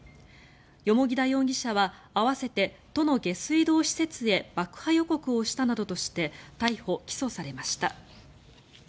蓬田容疑者は合わせて都の下水道施設へ爆破予告をしたなどとして逮捕・起訴されました。